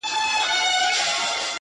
هغوو ته ځکه تر لیلامه پوري پاته نه سوم~